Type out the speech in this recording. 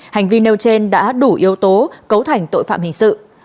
hành vi nêu trên đã đủ yếu tố cấu thành tội phạm hình sự